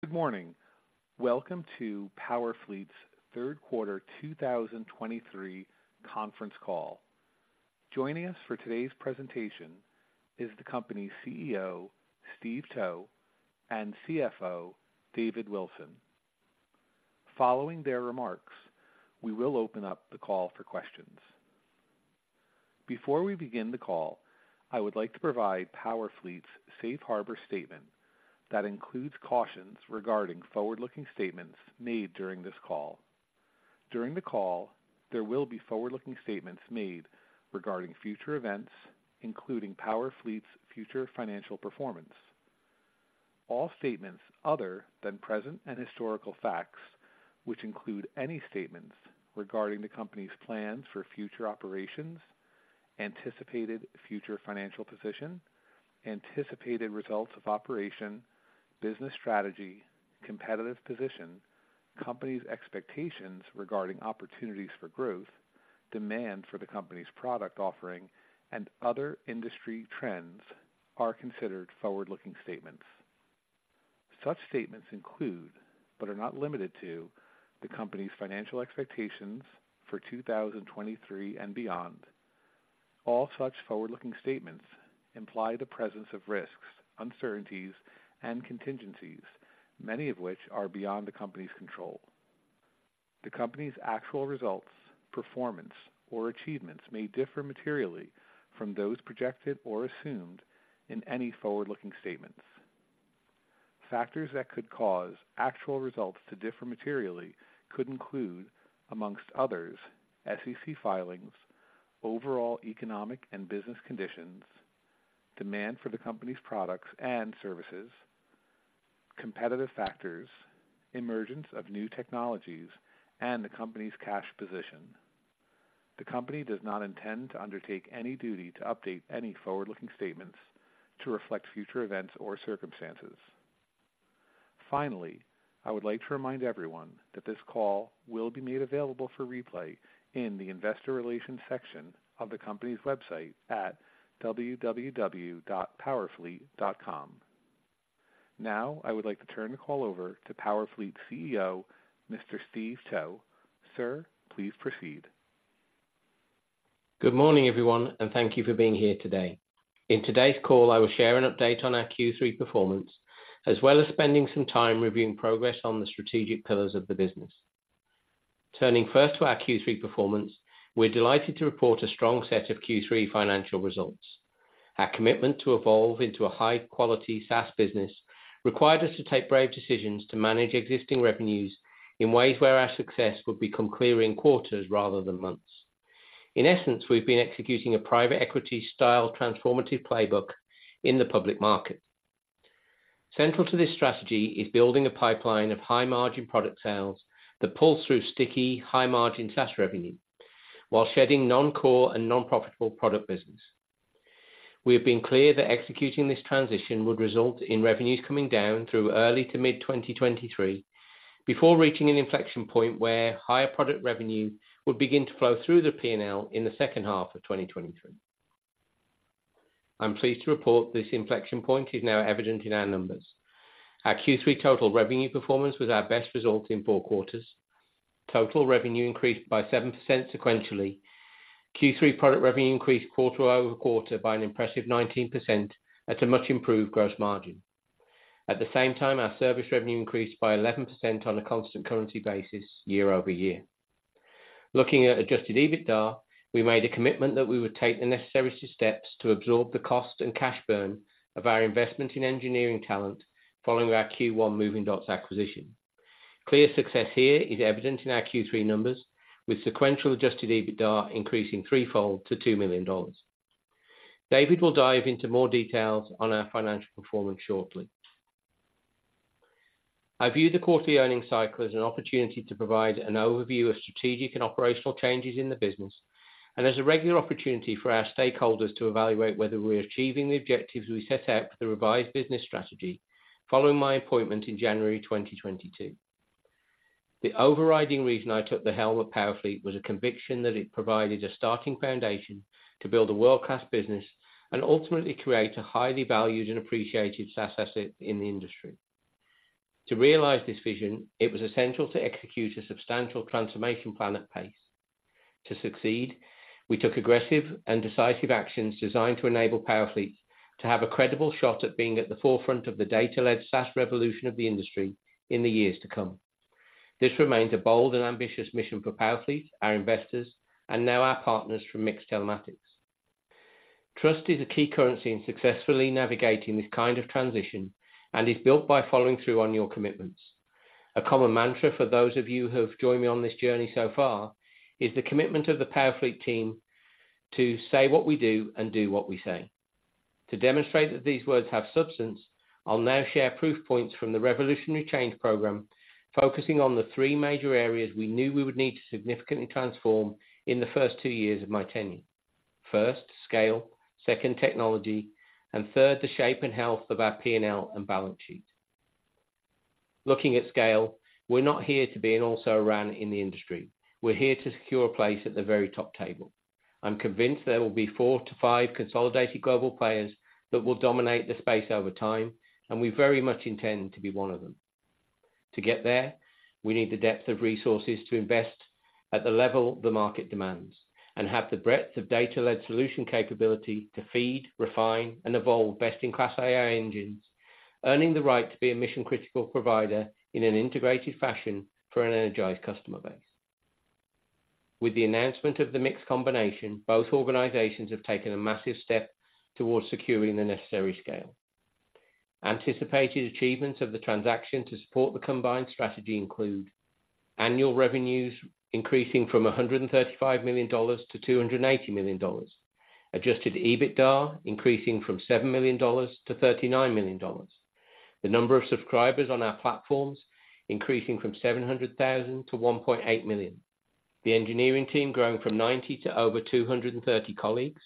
Good morning. Welcome to Powerfleet's third quarter 2023 conference call. Joining us for today's presentation is the company's CEO, Steve Towe, and CFO, David Wilson. Following their remarks, we will open up the call for questions. Before we begin the call, I would like to provide Powerfleet's safe harbor statement that includes cautions regarding forward-looking statements made during this call. During the call, there will be forward-looking statements made regarding future events, including Powerfleet's future financial performance. All statements other than present and historical facts, which include any statements regarding the company's plans for future operations, anticipated future financial position, anticipated results of operation, business strategy, competitive position, company's expectations regarding opportunities for growth, demand for the company's product offering, and other industry trends, are considered forward-looking statements. Such statements include, but are not limited to, the company's financial expectations for 2023 and beyond. All such forward-looking statements imply the presence of risks, uncertainties, and contingencies, many of which are beyond the company's control. The company's actual results, performance, or achievements may differ materially from those projected or assumed in any forward-looking statements. Factors that could cause actual results to differ materially could include, among others, SEC filings, overall economic and business conditions, demand for the company's products and services, competitive factors, emergence of new technologies, and the company's cash position. The company does not intend to undertake any duty to update any forward-looking statements to reflect future events or circumstances. Finally, I would like to remind everyone that this call will be made available for replay in the investor relations section of the company's website at www.powerfleet.com. Now, I would like to turn the call over to Powerfleet CEO, Mr. Steve Towe. Sir, please proceed. Good morning, everyone, and thank you for being here today. In today's call, I will share an update on our Q3 performance, as well as spending some time reviewing progress on the strategic pillars of the business. Turning first to our Q3 performance, we're delighted to report a strong set of Q3 financial results. Our commitment to evolve into a high-quality SaaS business required us to take brave decisions to manage existing revenues in ways where our success would become clearer in quarters rather than months. In essence, we've been executing a private equity-style transformative playbook in the public market. Central to this strategy is building a pipeline of high-margin product sales that pull through sticky, high-margin SaaS revenue, while shedding non-core and non-profitable product business. We have been clear that executing this transition would result in revenues coming down through early to mid-2023, before reaching an inflection point where higher product revenue would begin to flow through the P&L in the second half of 2023. I'm pleased to report this inflection point is now evident in our numbers. Our Q3 total revenue performance was our best result in four quarters. Total revenue increased by 7% sequentially. Q3 product revenue increased quarter-over-quarter by an impressive 19% at a much improved gross margin. At the same time, our service revenue increased by 11% on a constant currency basis year-over-year. Looking at Adjusted EBITDA, we made a commitment that we would take the necessary steps to absorb the cost and cash burn of our investment in engineering talent following our Q1 Movingdots acquisition. Clear success here is evident in our Q3 numbers, with sequential adjusted EBITDA increasing threefold to $2 million. David will dive into more details on our financial performance shortly. I view the quarterly earnings cycle as an opportunity to provide an overview of strategic and operational changes in the business, and as a regular opportunity for our stakeholders to evaluate whether we're achieving the objectives we set out for the revised business strategy following my appointment in January 2022. The overriding reason I took the helm of Powerfleet was a conviction that it provided a starting foundation to build a world-class business and ultimately create a highly valued and appreciated SaaS asset in the industry. To realize this vision, it was essential to execute a substantial transformation plan at pace. To succeed, we took aggressive and decisive actions designed to enable Powerfleet to have a credible shot at being at the forefront of the data-led SaaS revolution of the industry in the years to come. This remains a bold and ambitious mission for Powerfleet, our investors, and now our partners from MiX Telematics. Trust is a key currency in successfully navigating this kind of transition and is built by following through on your commitments. A common mantra for those of you who have joined me on this journey so far, is the commitment of the Powerfleet team to say what we do and do what we say. To demonstrate that these words have substance, I'll now share proof points from the revolutionary change program, focusing on the three major areas we knew we would need to significantly transform in the first two years of my tenure. First, scale. Second, technology. And third, the shape and health of our P&L and balance sheet. Looking at scale, we're not here to be an also-ran in the industry. We're here to secure a place at the very top table.... I'm convinced there will be four-five consolidated global players that will dominate the space over time, and we very much intend to be one of them. To get there, we need the depth of resources to invest at the level the market demands, and have the breadth of data-led solution capability to feed, refine, and evolve best-in-class AI engines, earning the right to be a mission-critical provider in an integrated fashion for an energized customer base. With the announcement of the MiX combination, both organizations have taken a massive step towards securing the necessary scale. Anticipated achievements of the transaction to support the combined strategy include annual revenues increasing from $135 million to $280 million. Adjusted EBITDA increasing from $7 million to $39 million. The number of subscribers on our platforms increasing from 700,000 to 1.8 million. The engineering team growing from 90 to over 230 colleagues,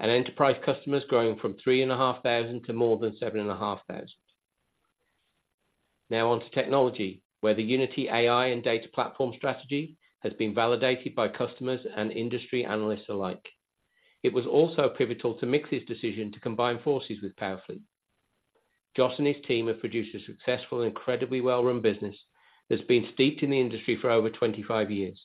and enterprise customers growing from 3,500 to more than 7,500. Now on to technology, where the Unity AI and data platform strategy has been validated by customers and industry analysts alike. It was also pivotal to MiX's decision to combine forces with Powerfleet. Joss and his team have produced a successful and incredibly well-run business that's been steeped in the industry for over 25 years.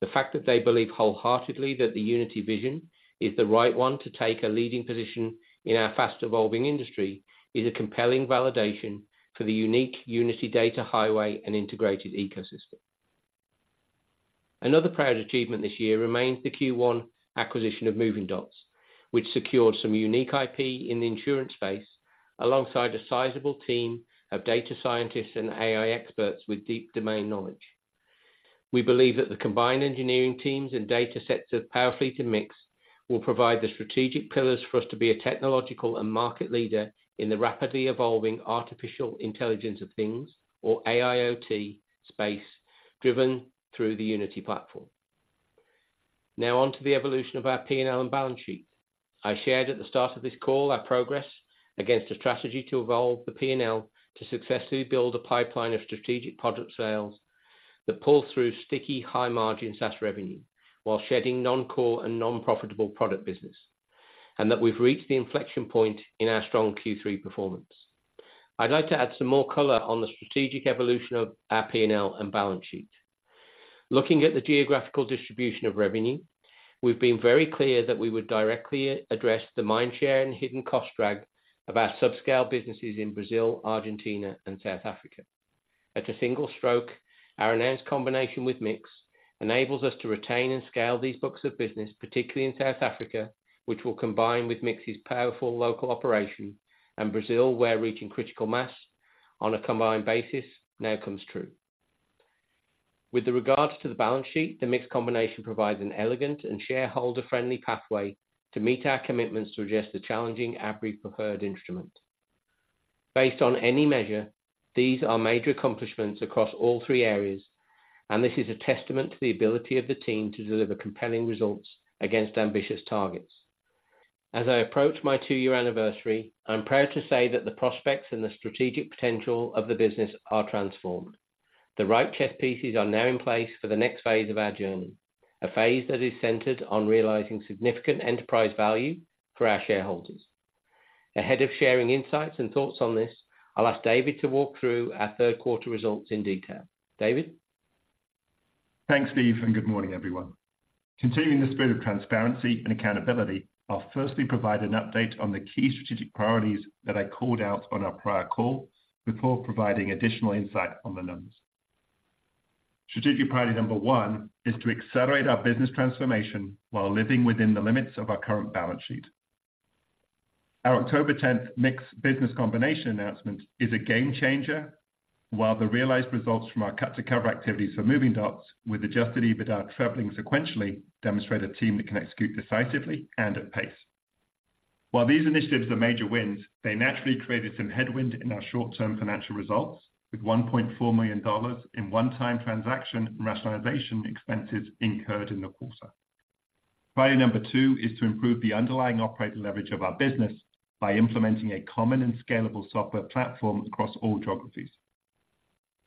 The fact that they believe wholeheartedly that the Unity vision is the right one to take a leading position in our fast-evolving industry, is a compelling validation for the unique Unity data highway and integrated ecosystem. Another proud achievement this year remains the Q1 acquisition of Movingdots, which secured some unique IP in the insurance space, alongside a sizable team of data scientists and AI experts with deep domain knowledge. We believe that the combined engineering teams and data sets of Powerfleet and MiX will provide the strategic pillars for us to be a technological and market leader in the rapidly evolving artificial intelligence of things, or AIoT, space, driven through the Unity platform. Now on to the evolution of our P&L and balance sheet. I shared at the start of this call our progress against a strategy to evolve the P&L, to successfully build a pipeline of strategic product sales that pull through sticky, high-margin SaaS revenue, while shedding non-core and non-profitable product business. And that we've reached the inflection point in our strong Q3 performance. I'd like to add some more color on the strategic evolution of our P&L and balance sheet. Looking at the geographical distribution of revenue, we've been very clear that we would directly address the mindshare and hidden cost drag of our subscale businesses in Brazil, Argentina, and South Africa. At a single stroke, our enhanced combination with MiX enables us to retain and scale these books of business, particularly in South Africa, which will combine with MiX's powerful local operation, and Brazil, where reaching critical mass on a combined basis now comes true. With regard to the balance sheet, the MiX combination provides an elegant and shareholder-friendly pathway to meet our commitments to address the challenging Abry preferred instrument. Based on any measure, these are major accomplishments across all three areas, and this is a testament to the ability of the team to deliver compelling results against ambitious targets. As I approach my two-year anniversary, I'm proud to say that the prospects and the strategic potential of the business are transformed. The right chess pieces are now in place for the next phase of our journey, a phase that is centered on realizing significant enterprise value for our shareholders. Ahead of sharing insights and thoughts on this, I'll ask David to walk through our third quarter results in detail. David? Thanks, Steve, and good morning, everyone. Continuing the spirit of transparency and accountability, I'll firstly provide an update on the key strategic priorities that I called out on our prior call, before providing additional insight on the numbers. Strategic priority number one is to accelerate our business transformation while living within the limits of our current balance sheet. Our October tenth MiX business combination announcement is a game changer, while the realized results from our cut-to-cover activities for Movingdots, with Adjusted EBITDA traveling sequentially, demonstrate a team that can execute decisively and at pace. While these initiatives are major wins, they naturally created some headwind in our short-term financial results, with $1.4 million in one-time transaction and rationalization expenses incurred in the quarter. Priority number two is to improve the underlying operating leverage of our business by implementing a common and scalable software platform across all geographies.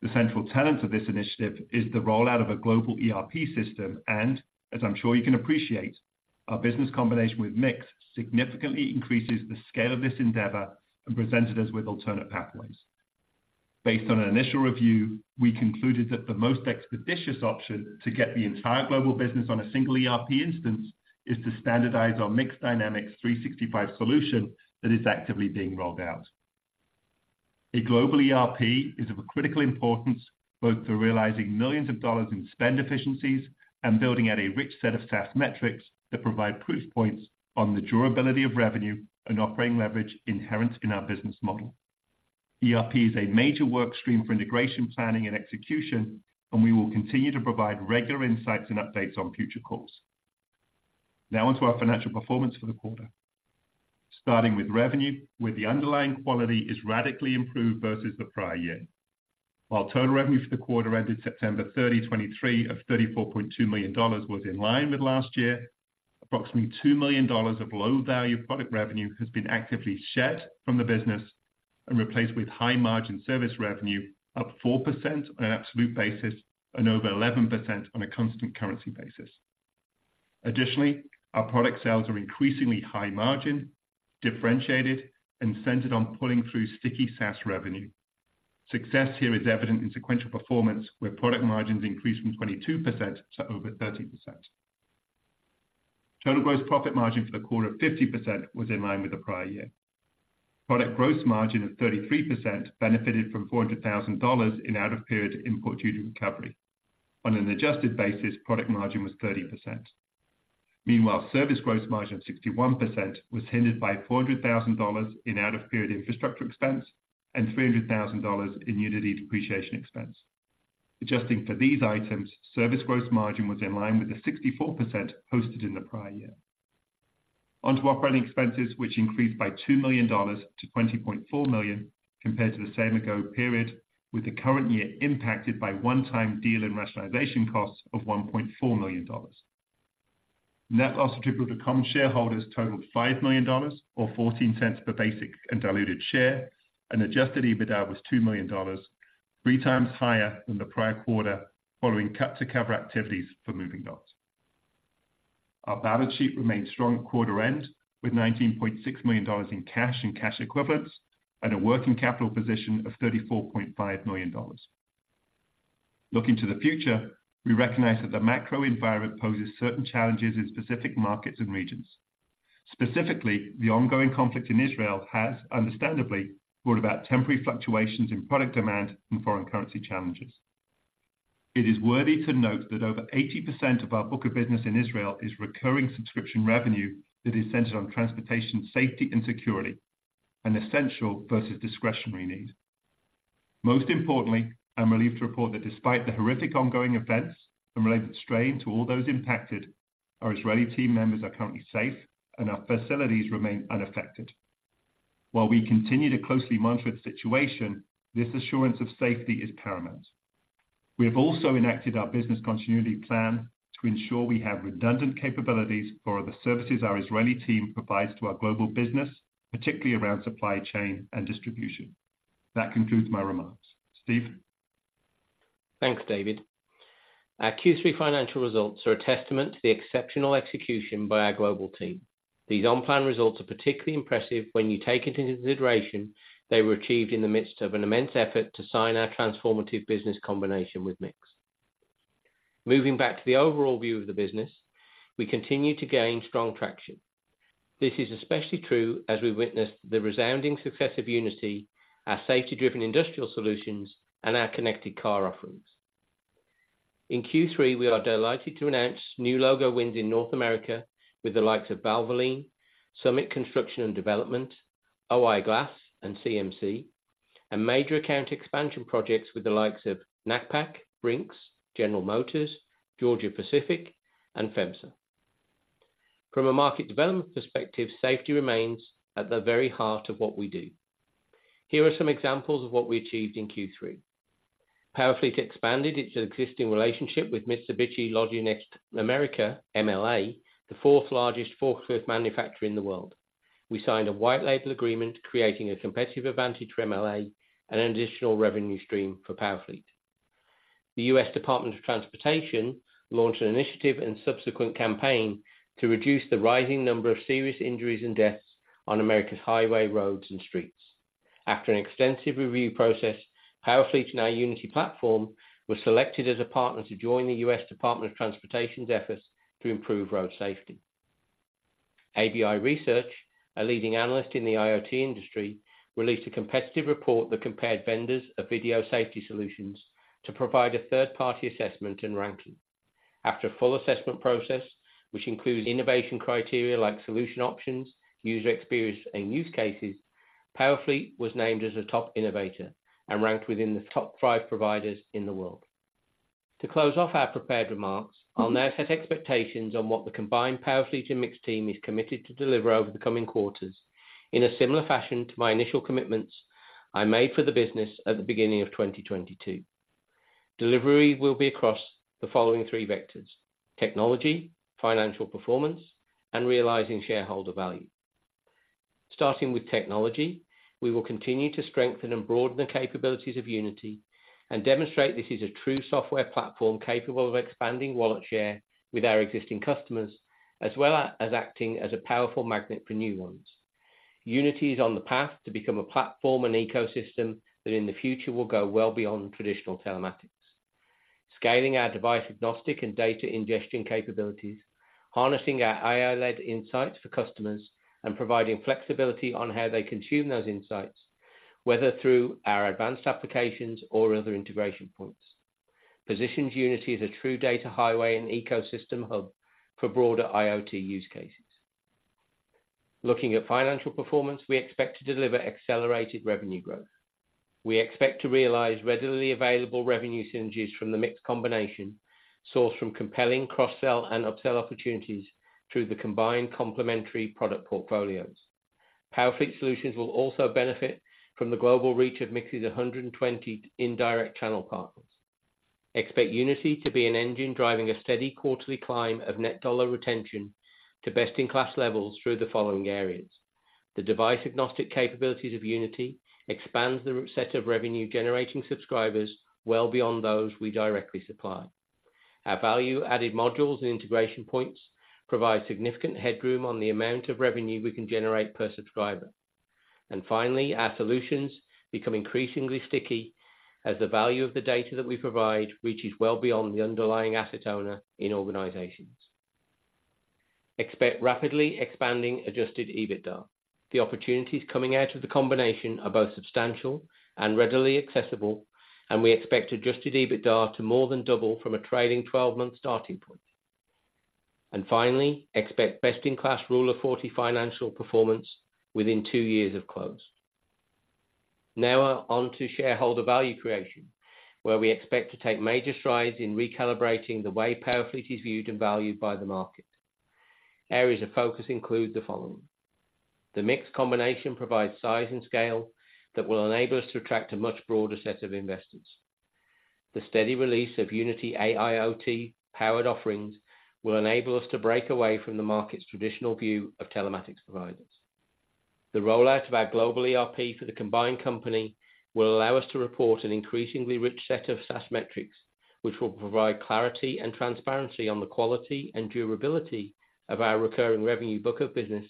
The central tenet of this initiative is the rollout of a global ERP system, and as I'm sure you can appreciate, our business combination with MiX significantly increases the scale of this endeavor and presented us with alternate pathways. Based on an initial review, we concluded that the most expeditious option to get the entire global business on a single ERP instance is to standardize our MiX Dynamics 365 solution that is actively being rolled out. A global ERP is of a critical importance, both to realizing $ millions in spend efficiencies and building out a rich set of SaaS metrics that provide proof points on the durability of revenue and operating leverage inherent in our business model. ERP is a major work stream for integration, planning, and execution, and we will continue to provide regular insights and updates on future calls. Now on to our financial performance for the quarter. Starting with revenue, where the underlying quality is radically improved versus the prior year. While total revenue for the quarter ended September 30, 2023, of $34.2 million was in line with last year. Approximately $2 million of low-value product revenue has been actively shed from the business and replaced with high margin service revenue, up 4% on an absolute basis, and over 11% on a constant currency basis. Additionally, our product sales are increasingly high margin, differentiated, and centered on pulling through sticky SaaS revenue. Success here is evident in sequential performance, where product margins increased from 22% to over 30%. Total gross profit margin for the quarter of 50% was in line with the prior year. Product gross margin of 33% benefited from $400,000 in out-of-period import duty recovery. On an adjusted basis, product margin was 30%. Meanwhile, service gross margin of 61% was hindered by $400,000 in out-of-period infrastructure expense and $300,000 in Unity depreciation expense. Adjusting for these items, service gross margin was in line with the 64% posted in the prior year. Onto operating expenses, which increased by $2 million to $20.4 million, compared to the same ago period, with the current year impacted by one-time deal and rationalization costs of $1.4 million. Net loss attributable to common shareholders totaled $5 million, or $0.14 per basic and diluted share, and Adjusted EBITDA was $2 million, three times higher than the prior quarter following cut to cover activities for Movingdots. Our balance sheet remained strong quarter end, with $19.6 million in cash and cash equivalents, and a working capital position of $34.5 million. Looking to the future, we recognize that the macro environment poses certain challenges in specific markets and regions. Specifically, the ongoing conflict in Israel has understandably brought about temporary fluctuations in product demand and foreign currency challenges. It is worthy to note that over 80% of our book of business in Israel is recurring subscription revenue that is centered on transportation, safety, and security, an essential versus discretionary need. Most importantly, I'm relieved to report that despite the horrific ongoing events and related strain to all those impacted, our Israeli team members are currently safe, and our facilities remain unaffected. While we continue to closely monitor the situation, this assurance of safety is paramount. We have also enacted our business continuity plan to ensure we have redundant capabilities for the services our Israeli team provides to our global business, particularly around supply chain and distribution. That concludes my remarks. Steve? Thanks, David. Our Q3 financial results are a testament to the exceptional execution by our global team. These on-plan results are particularly impressive when you take into consideration they were achieved in the midst of an immense effort to sign our transformative business combination with MiX. Moving back to the overall view of the business, we continue to gain strong traction. This is especially true as we witness the resounding success of Unity, our safety-driven industrial solutions, and our connected car offerings. In Q3, we are delighted to announce new logo wins in North America with the likes of Valvoline, Summit Construction and Development, O-I Glass, and CMC, and major account expansion projects with the likes of Knapheide, Brink's, General Motors, Georgia-Pacific, and FEMSA. From a market development perspective, safety remains at the very heart of what we do. Here are some examples of what we achieved in Q3. Powerfleet expanded its existing relationship with Mitsubishi Logisnext Americas, MLA, the fourth largest forklift manufacturer in the world. We signed a white label agreement, creating a competitive advantage for MLA and an additional revenue stream for Powerfleet. The U.S. Department of Transportation launched an initiative and subsequent campaign to reduce the rising number of serious injuries and deaths on America's highway, roads, and streets. After an extensive review process, Powerfleet and our Unity platform were selected as a partner to join the U.S. Department of Transportation's efforts to improve road safety. ABI Research, a leading analyst in the IoT industry, released a competitive report that compared vendors of video safety solutions to provide a third-party assessment and ranking. After a full assessment process, which includes innovation criteria like solution options, user experience, and use cases, Powerfleet was named as a top innovator and ranked within the top five providers in the world. To close off our prepared remarks, I'll now set expectations on what the combined Powerfleet and MiX team is committed to deliver over the coming quarters, in a similar fashion to my initial commitments I made for the business at the beginning of 2022. Delivery will be across the following three vectors: technology, financial performance, and realizing shareholder value. Starting with technology, we will continue to strengthen and broaden the capabilities of Unity and demonstrate this is a true software platform capable of expanding wallet share with our existing customers, as well as acting as a powerful magnet for new ones. Unity is on the path to become a platform and ecosystem that in the future will go well beyond traditional telematics. Scaling our device-agnostic, and data ingestion capabilities, harnessing our AI-led insights for customers, and providing flexibility on how they consume those insights, whether through our advanced applications or other integration points. Positions Unity as a true data highway and ecosystem hub for broader IoT use cases. Looking at financial performance, we expect to deliver accelerated revenue growth. We expect to realize readily available revenue synergies from the MiX combination, sourced from compelling cross-sell and upsell opportunities through the combined complementary product portfolios. Powerfleet solutions will also benefit from the global reach of MiX's 120 indirect channel partners.... Expect Unity to be an engine driving a steady quarterly climb of net dollar retention to best-in-class levels through the following areas. The device-agnostic capabilities of Unity expands the set of revenue-generating subscribers well beyond those we directly supply. Our value-added modules and integration points provide significant headroom on the amount of revenue we can generate per subscriber. And finally, our solutions become increasingly sticky as the value of the data that we provide reaches well beyond the underlying asset owner in organizations. Expect rapidly expanding Adjusted EBITDA. The opportunities coming out of the combination are both substantial and readily accessible, and we expect Adjusted EBITDA to more than double from a trailing twelve-month starting point. And finally, expect best-in-class Rule of Forty financial performance within two years of close. Now, on to shareholder value creation, where we expect to take major strides in recalibrating the way Powerfleet is viewed and valued by the market. Areas of focus include the following: The MiX combination provides size and scale that will enable us to attract a much broader set of investors. The steady release of Unity AIoT-powered offerings will enable us to break away from the market's traditional view of telematics providers. The rollout of our global ERP for the combined company will allow us to report an increasingly rich set of SaaS metrics, which will provide clarity and transparency on the quality and durability of our recurring revenue book of business,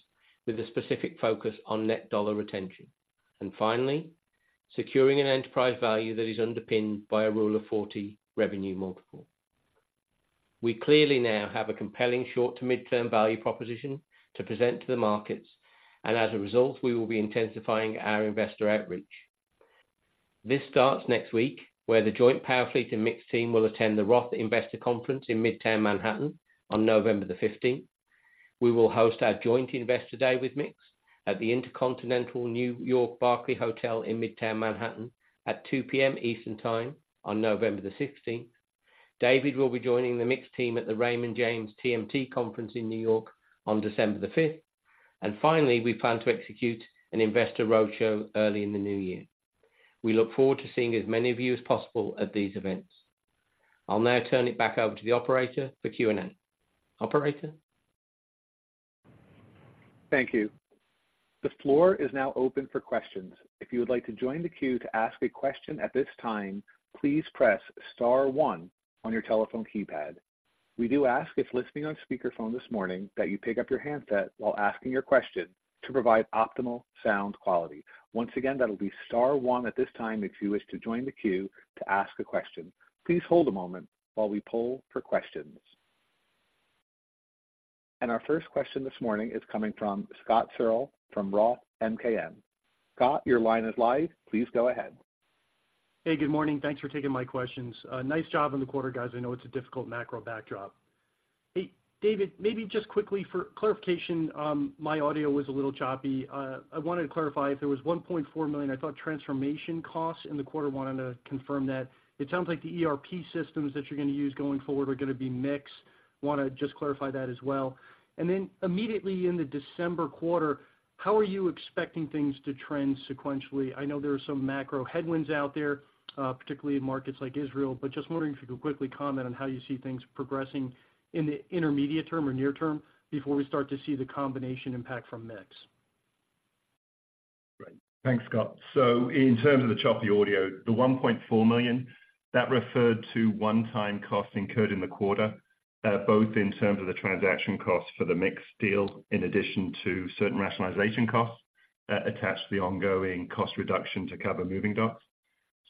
with a specific focus on net dollar retention. And finally, securing an enterprise value that is underpinned by a Rule of Forty revenue multiple. We clearly now have a compelling short to midterm value proposition to present to the markets, and as a result, we will be intensifying our investor outreach. This starts next week, where the joint Powerfleet and MiX team will attend the Roth Investor Conference in Midtown Manhattan on November 15th. We will host our joint Investor Day with MiX at the InterContinental New York Barclay Hotel in Midtown Manhattan at 2:00 P.M. Eastern Time on November 16th. David will be joining the MiX team at the Raymond James TMT Conference in New York on December 5th. And finally, we plan to execute an investor roadshow early in the new year. We look forward to seeing as many of you as possible at these events. I'll now turn it back over to the operator for Q&A. Operator? Thank you. The floor is now open for questions. If you would like to join the queue to ask a question at this time, please press star one on your telephone keypad. We do ask, if listening on speakerphone this morning, that you pick up your handset while asking your question to provide optimal sound quality. Once again, that'll be star one at this time, if you wish to join the queue to ask a question. Please hold a moment while we poll for questions. Our first question this morning is coming from Scott Searle from Roth MKM. Scott, your line is live. Please go ahead. Hey, good morning. Thanks for taking my questions. Nice job on the quarter, guys. I know it's a difficult macro backdrop. Hey, David, maybe just quickly for clarification, my audio was a little choppy. I wanted to clarify if there was $1.4 million, I thought, transformation costs in the quarter. Wanted to confirm that. It sounds like the ERP systems that you're gonna use going forward are gonna be MiX. Want to just clarify that as well. And then immediately in the December quarter, how are you expecting things to trend sequentially? I know there are some macro headwinds out there, particularly in markets like Israel, but just wondering if you could quickly comment on how you see things progressing in the intermediate term or near term before we start to see the combination impact from MiX. Great. Thanks, Scott. So in terms of the choppy audio, the $1.4 million, that referred to one-time costs incurred in the quarter, both in terms of the transaction costs for the MiX deal, in addition to certain rationalization costs, attached to the ongoing cost reduction to cover Movingdots.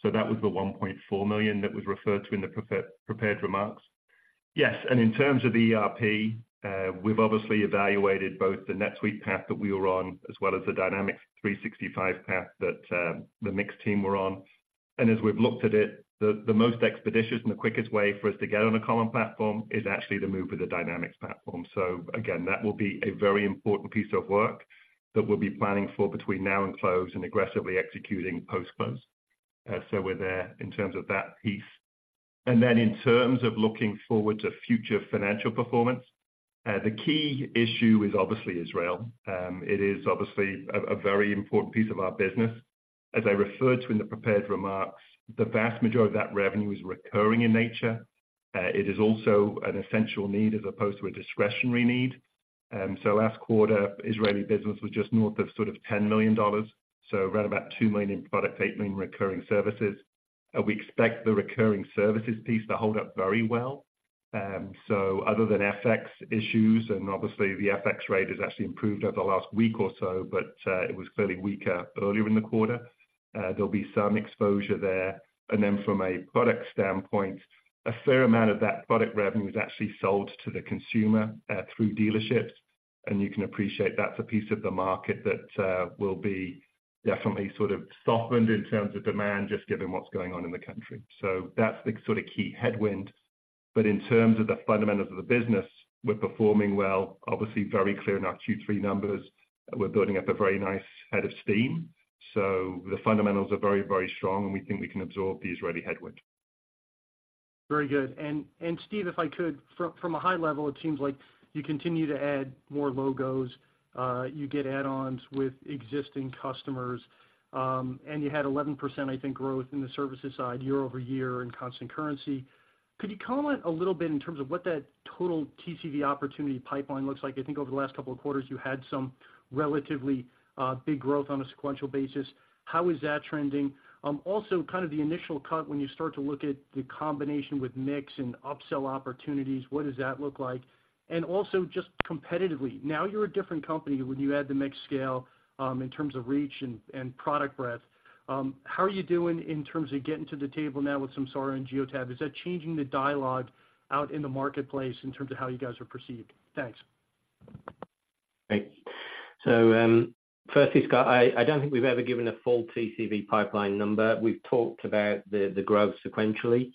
So that was the $1.4 million that was referred to in the prepared remarks. Yes, and in terms of the ERP, we've obviously evaluated both the NetSuite path that we were on, as well as the Dynamics 365 path that the MiX team were on. And as we've looked at it, the most expeditious and the quickest way for us to get on a common platform is actually to move with the Dynamics platform. So again, that will be a very important piece of work that we'll be planning for between now and close, and aggressively executing post-close. So we're there in terms of that piece. And then in terms of looking forward to future financial performance, the key issue is obviously Israel. It is obviously a very important piece of our business. As I referred to in the prepared remarks, the vast majority of that revenue is recurring in nature. It is also an essential need as opposed to a discretionary need. So last quarter, Israeli business was just north of sort of $10 million, so around about $2 million product, $8 million recurring services. We expect the recurring services piece to hold up very well. So other than FX issues, and obviously, the FX rate has actually improved over the last week or so, but it was clearly weaker earlier in the quarter. There'll be some exposure there. And then from a product standpoint, a fair amount of that product revenue is actually sold to the consumer through dealerships, and you can appreciate that's a piece of the market that will be definitely sort of softened in terms of demand, just given what's going on in the country. So that's the sort of key headwind. But in terms of the fundamentals of the business, we're performing well, obviously very clear in our Q3 numbers. We're building up a very nice head of steam, so the fundamentals are very, very strong, and we think we can absorb the Israeli headwind. Very good. And Steve, if I could, from a high level, it seems like you continue to add more logos, you get add-ons with existing customers, and you had 11%, I think, growth in the services side year-over-year in constant currency. Could you comment a little bit in terms of what that total TCV opportunity pipeline looks like? I think over the last couple of quarters, you had some relatively big growth on a sequential basis. How is that trending? Also, kind of the initial cut when you start to look at the combination with MiX and upsell opportunities, what does that look like? And also just competitively, now you're a different company when you add the MiX scale, in terms of reach and product breadth. How are you doing in terms of getting to the table now with some Samsara and Geotab? Is that changing the dialogue out in the marketplace in terms of how you guys are perceived? Thanks. Great. So, firstly, Scott, I don't think we've ever given a full TCV pipeline number. We've talked about the growth sequentially.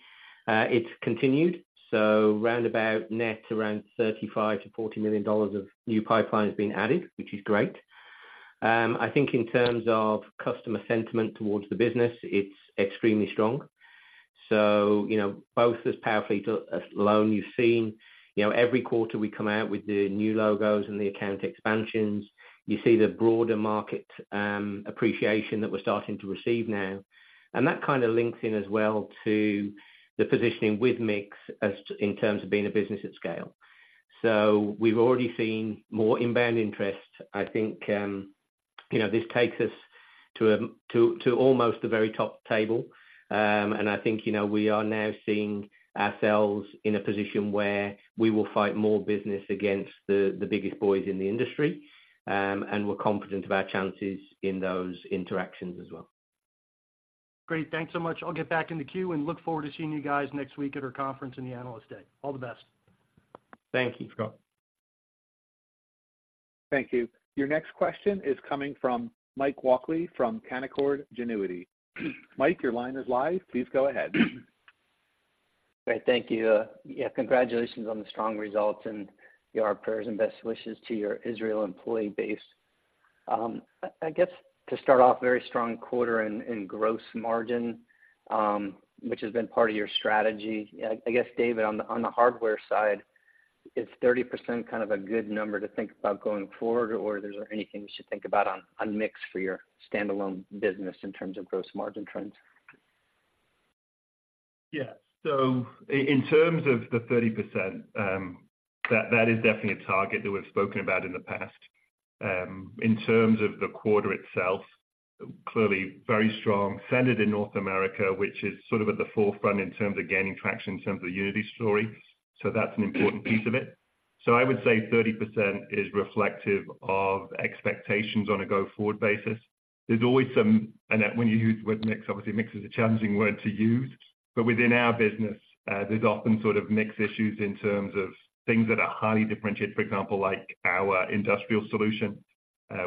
It's continued, so round about net, around $35 million-$40 million of new pipeline has been added, which is great. I think in terms of customer sentiment towards the business, it's extremely strong. So, you know, both as Powerfleet alone, you've seen, you know, every quarter we come out with the new logos and the account expansions. You see the broader market appreciation that we're starting to receive now, and that kind of links in as well to the positioning with MiX as to in terms of being a business at scale. So we've already seen more inbound interest. I think, you know, this takes us to almost the very top table. I think, you know, we are now seeing ourselves in a position where we will fight more business against the biggest boys in the industry, and we're confident of our chances in those interactions as well. Great. Thanks so much. I'll get back in the queue and look forward to seeing you guys next week at our conference in the Analyst Day. All the best. Thank you, Scott. Thank you. Your next question is coming from Mike Walkley, from Canaccord Genuity. Mike, your line is live. Please go ahead. Great. Thank you. Yeah, congratulations on the strong results, and your prayers and best wishes to your Israel employee base. I guess to start off, very strong quarter in gross margin, which has been part of your strategy. I guess, David, on the hardware side, is 30% kind of a good number to think about going forward, or is there anything we should think about on MiX for your standalone business in terms of gross margin trends? Yeah. So in terms of the 30%, that is definitely a target that we've spoken about in the past. In terms of the quarter itself, clearly very strong, centered in North America, which is sort of at the forefront in terms of gaining traction, in terms of the Unity story, so that's an important piece of it. So I would say 30% is reflective of expectations on a go-forward basis. There's always some... And that when you use the word mix, obviously mix is a challenging word to use. But within our business, there's often sort of mix issues in terms of things that are highly differentiated, for example, like our industrial solution.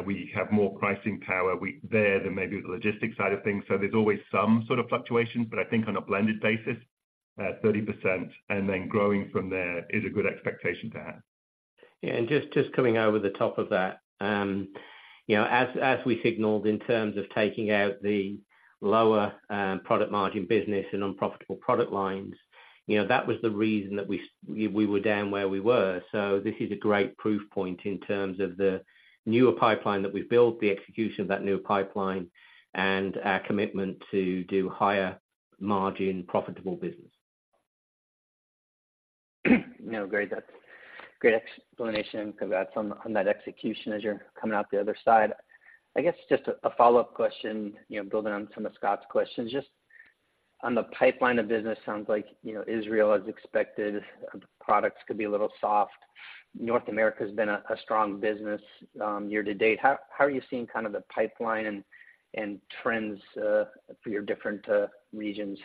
We have more pricing power there than maybe the logistics side of things. So there's always some sort of fluctuation, but I think on a blended basis, 30% and then growing from there is a good expectation to have. Yeah, and just coming over the top of that, you know, as we signaled in terms of taking out the lower product margin business and unprofitable product lines, you know, that was the reason that we were down where we were. So this is a great proof point in terms of the newer pipeline that we've built, the execution of that new pipeline, and our commitment to do higher margin, profitable business. No, great, that's great explanation. Congrats on, on that execution as you're coming out the other side. I guess just a follow-up question, you know, building on some of Scott's questions. Just on the pipeline of business, sounds like, you know, Israel, as expected, the products could be a little soft. North America has been a strong business, year to date. How are you seeing kind of the pipeline and trends, for your different regions?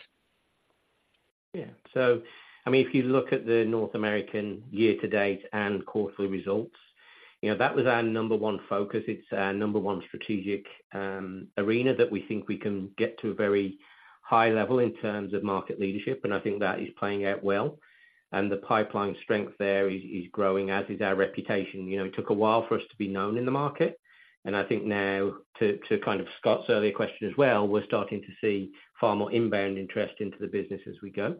Yeah. So I mean, if you look at the North America year to date and quarterly results, you know, that was our number one focus. It's our number one strategic arena that we think we can get to a very high level in terms of market leadership, and I think that is playing out well. And the pipeline strength there is, is growing, as is our reputation. You know, it took a while for us to be known in the market, and I think now, to, to kind of Scott's earlier question as well, we're starting to see far more inbound interest into the business as we go.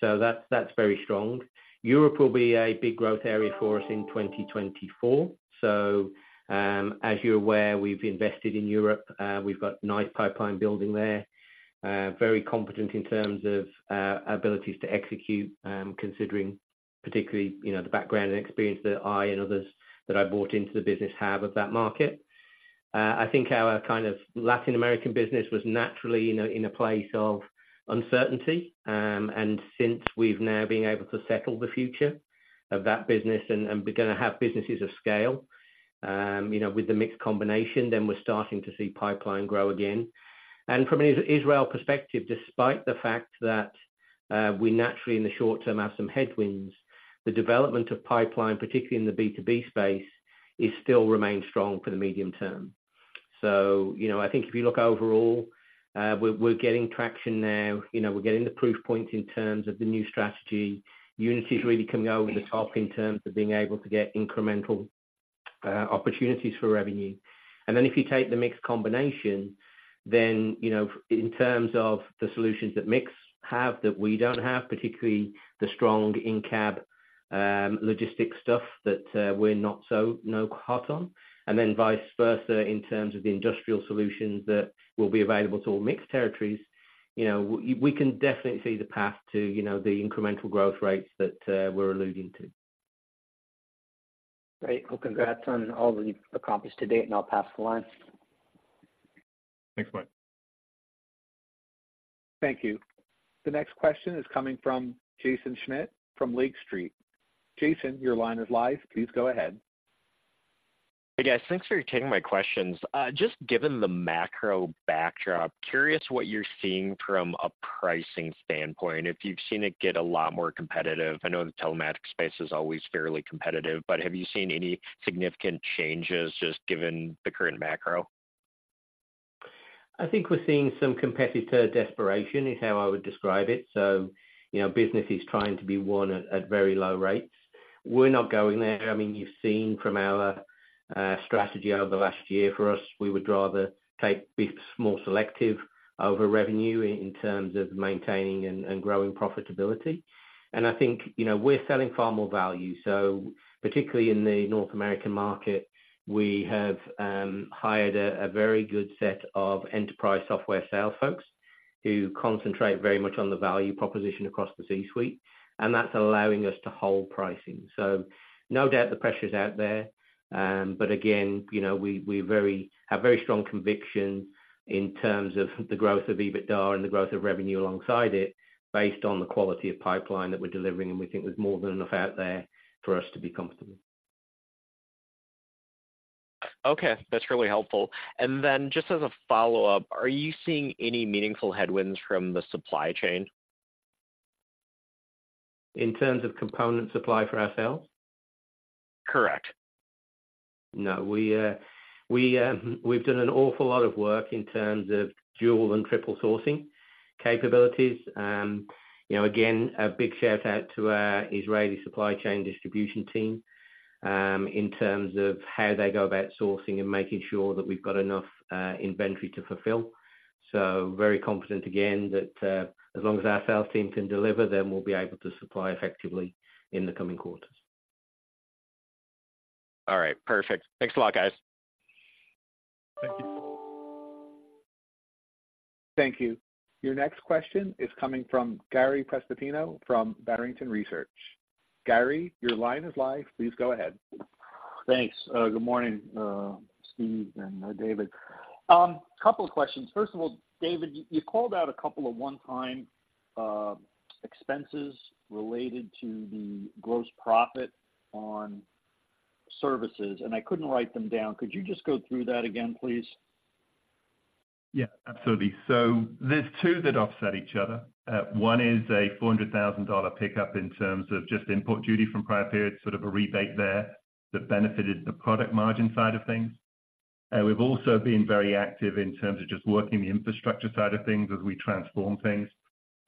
So that's, that's very strong. Europe will be a big growth area for us in 2024. So, as you're aware, we've invested in Europe. We've got nice pipeline building there. Very confident in terms of our abilities to execute, considering particularly, you know, the background and experience that I and others that I brought into the business have of that market. I think our kind of Latin American business was naturally, you know, in a place of uncertainty. And since we've now been able to settle the future of that business and we're gonna have businesses of scale, you know, with the MiX combination, then we're starting to see pipeline grow again. And from an Israel perspective, despite the fact that we naturally in the short term have some headwinds, the development of pipeline, particularly in the B2B space, it still remains strong for the medium term. So, you know, I think if you look overall, we're getting traction now. You know, we're getting the proof points in terms of the new strategy. Unity is really coming over the top in terms of being able to get incremental opportunities for revenue. And then if you take the MiX combination, then, you know, in terms of the solutions that MiX have, that we don't have, particularly the strong in-cab logistic stuff that we're not so hot on, and then vice versa in terms of the industrial solutions that will be available to all MiX territories. You know, we can definitely see the path to, you know, the incremental growth rates that we're alluding to. Great! Well, congrats on all that you've accomplished to date, and I'll pass the line. Thanks, Mike. Thank you. The next question is coming from Jaeson Schmidt from Lake Street. Jason, your line is live. Please go ahead. Hey, guys. Thanks for taking my questions. Just given the macro backdrop, curious what you're seeing from a pricing standpoint, if you've seen it get a lot more competitive. I know the telematics space is always fairly competitive, but have you seen any significant changes just given the current macro? I think we're seeing some competitor desperation, is how I would describe it. So, you know, business is trying to be won at very low rates. We're not going there. I mean, you've seen from our strategy over the last year, for us, we would rather be more selective over revenue in terms of maintaining and growing profitability. And I think, you know, we're selling far more value. So particularly in the North American market, we have hired a very good set of enterprise software sales folks, who concentrate very much on the value proposition across the C-suite, and that's allowing us to hold pricing. So no doubt the pressure's out there, but again, you know, we have very strong conviction in terms of the growth of EBITDA and the growth of revenue alongside it, based on the quality of pipeline that we're delivering, and we think there's more than enough out there for us to be comfortable. Okay, that's really helpful. And then just as a follow-up, are you seeing any meaningful headwinds from the supply chain? In terms of component supply for our sales? Correct. No, we, we, we've done an awful lot of work in terms of dual and triple sourcing capabilities. You know, again, a big shout out to our Israeli supply chain distribution team, in terms of how they go about sourcing and making sure that we've got enough inventory to fulfill. So very confident, again, that, as long as our sales team can deliver, then we'll be able to supply effectively in the coming quarters. All right. Perfect. Thanks a lot, guys. Thank you. Thank you. Your next question is coming from Gary Prestopino from Barrington Research. Gary, your line is live. Please go ahead. Thanks. Good morning, Steve and David. Couple of questions. First of all, David, you called out a couple of one-time expenses related to the gross profit on services, and I couldn't write them down. Could you just go through that again, please? Yeah, absolutely. So there's two that offset each other. One is a $400,000 pickup in terms of just import duty from prior periods, sort of a rebate there, that benefited the product margin side of things. We've also been very active in terms of just working the infrastructure side of things as we transform things.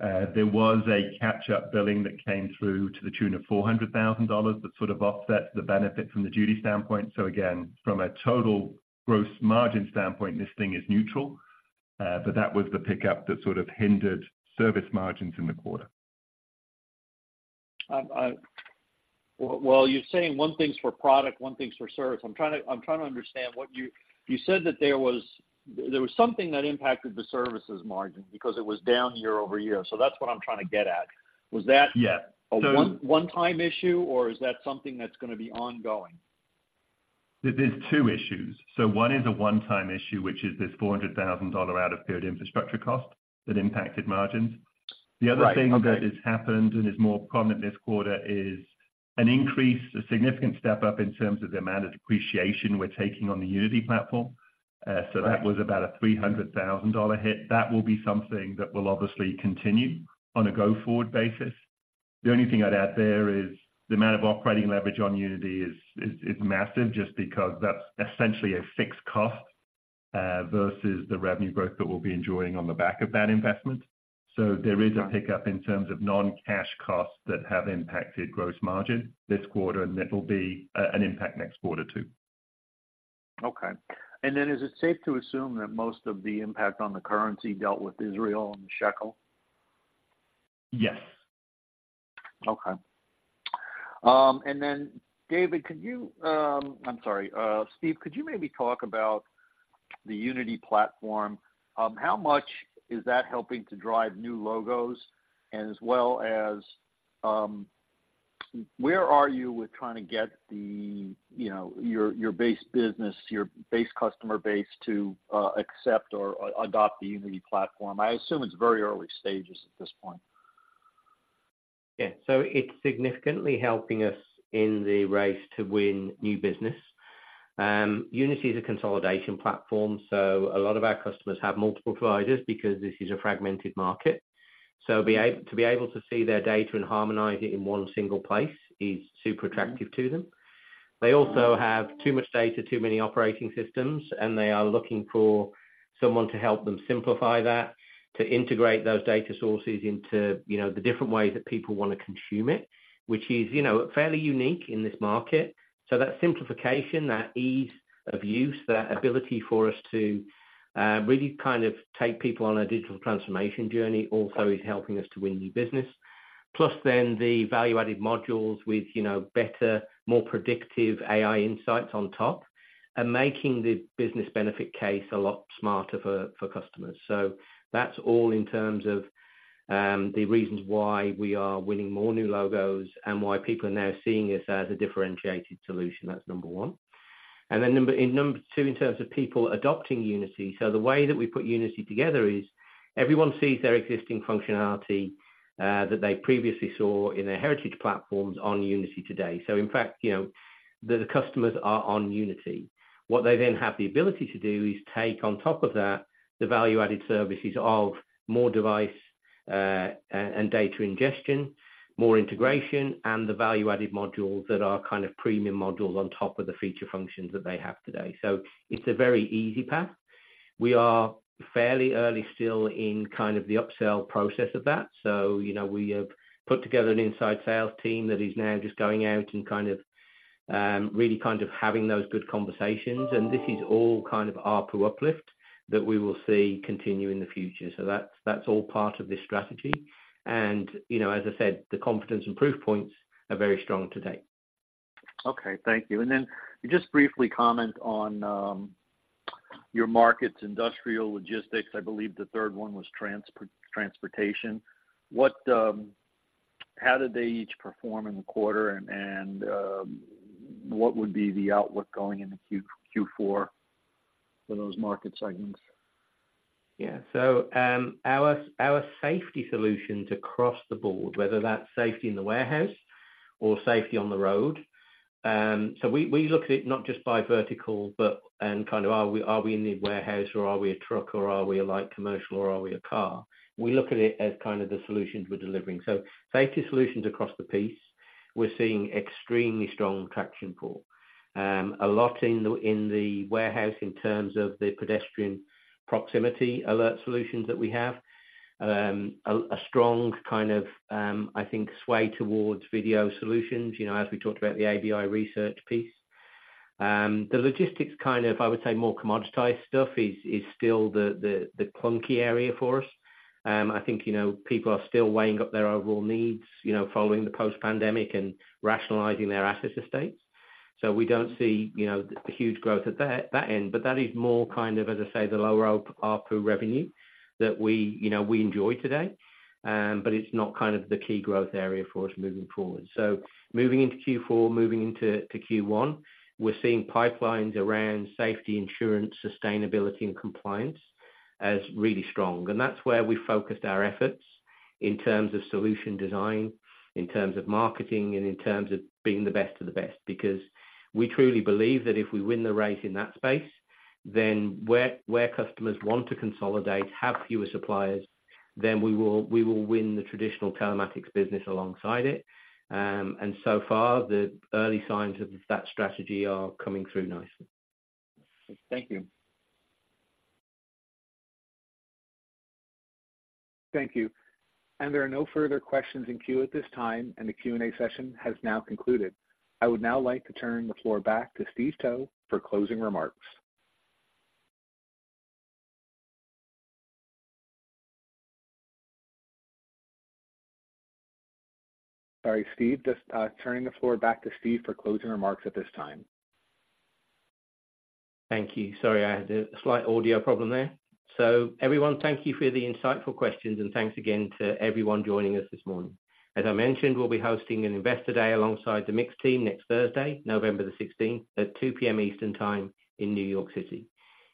There was a catch-up billing that came through to the tune of $400,000, that sort of offsets the benefit from the duty standpoint. So again, from a total gross margin standpoint, this thing is neutral, but that was the pickup that sort of hindered service margins in the quarter. Well, you're saying one thing's for product, one thing's for service. I'm trying to understand what you... You said that there was something that impacted the services margin because it was down year over year. So that's what I'm trying to get at. Was that- Yeah. a one-time issue, or is that something that's gonna be ongoing? There's two issues. So one is a one-time issue, which is this $400,000 out of period infrastructure cost that impacted margins. Right. Okay. The other thing that has happened, and is more prominent this quarter, is an increase, a significant step up in terms of the amount of depreciation we're taking on the Unity platform. Uh, right. So that was about a $300,000 hit. That will be something that will obviously continue on a go-forward basis. The only thing I'd add there is the amount of operating leverage on Unity is massive, just because that's essentially a fixed cost versus the revenue growth that we'll be enjoying on the back of that investment. Right. So there is a pickup in terms of non-cash costs that have impacted gross margin this quarter, and it'll be an impact next quarter, too. Okay. And then is it safe to assume that most of the impact on the currency dealt with Israel and the shekel? Yes. Okay. And then, David, could you... I'm sorry. Steve, could you maybe talk about the Unity platform? How much is that helping to drive new logos, and as well as, where are you with trying to get the, you know, your, your base business, your base customer base to, accept or adopt the Unity platform? I assume it's very early stages at this point. Yeah. So it's significantly helping us in the race to win new business. Unity is a consolidation platform, so a lot of our customers have multiple providers because this is a fragmented market. To be able to see their data and harmonize it in one single place is super attractive to them. They also have too much data, too many operating systems, and they are looking for someone to help them simplify that, to integrate those data sources into, you know, the different ways that people want to consume it, which is, you know, fairly unique in this market. So that simplification, that ease of use, that ability for us to really kind of take people on a digital transformation journey, also is helping us to win new business... plus then the value-added modules with, you know, better, more predictive AI insights on top, and making the business benefit case a lot smarter for, for customers. So that's all in terms of the reasons why we are winning more new logos and why people are now seeing us as a differentiated solution. That's number one. And then number two, in terms of people adopting Unity. So the way that we put Unity together is, everyone sees their existing functionality that they previously saw in their heritage platforms on Unity today. So in fact, you know, the customers are on Unity. What they then have the ability to do is take, on top of that, the value-added services of more device and data ingestion, more integration, and the value-added modules that are kind of premium modules on top of the feature functions that they have today. So it's a very easy path. We are fairly early still in kind of the upsell process of that, so, you know, we have put together an inside sales team that is now just going out and kind of really kind of having those good conversations. And this is all kind of ARPU uplift that we will see continue in the future. So that's, that's all part of this strategy. And, you know, as I said, the confidence and proof points are very strong today. Okay, thank you. And then just briefly comment on your markets, industrial logistics. I believe the third one was transportation. What? How did they each perform in the quarter? And what would be the outlook going into Q4 for those market segments? Yeah. So, our safety solutions across the board, whether that's safety in the warehouse or safety on the road, so we look at it not just by vertical, but and kind of are we in the warehouse, or are we a truck, or are we a light commercial, or are we a car? We look at it as kind of the solutions we're delivering. So safety solutions across the piece, we're seeing extremely strong traction for. A lot in the warehouse in terms of the pedestrian proximity alert solutions that we have. A strong kind of, I think, sway towards video solutions, you know, as we talked about the ABI Research piece. The logistics kind of, I would say, more commoditized stuff is still the clunky area for us. I think, you know, people are still weighing up their overall needs, you know, following the post-pandemic and rationalizing their asset estates. So we don't see, you know, the huge growth at that end, but that is more kind of, as I say, the lower ARPU revenue that we, you know, we enjoy today, but it's not kind of the key growth area for us moving forward. So moving into Q4, moving into Q1, we're seeing pipelines around safety, insurance, sustainability, and compliance as really strong. That's where we focused our efforts in terms of solution design, in terms of marketing, and in terms of being the best of the best, because we truly believe that if we win the race in that space, then where, where customers want to consolidate, have fewer suppliers, then we will, we will win the traditional telematics business alongside it. So far, the early signs of that strategy are coming through nicely. Thank you. Thank you. And there are no further questions in queue at this time, and the Q&A session has now concluded. I would now like to turn the floor back to Steve Towe for closing remarks. Sorry, Steve, just, turning the floor back to Steve for closing remarks at this time. Thank you. Sorry, I had a slight audio problem there. So everyone, thank you for the insightful questions, and thanks again to everyone joining us this morning. As I mentioned, we'll be hosting an Investor Day alongside the MiX team next Thursday, November 16th, at 2:00 P.M. Eastern Time in New York City.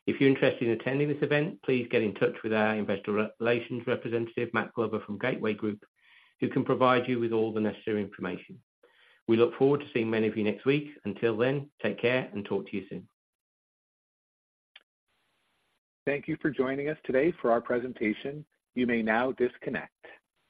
If you're interested in attending this event, please get in touch with our investor relations representative, Matt Glover from Gateway Group, who can provide you with all the necessary information. We look forward to seeing many of you next week. Until then, take care and talk to you soon. Thank you for joining us today for our presentation. You may now disconnect.